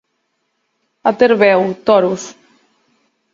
A Terveu, toros.